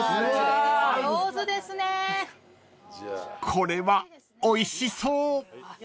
［これはおいしそう］